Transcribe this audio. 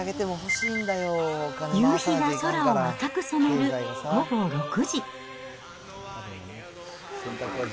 夕日が空を赤く染める午後６時。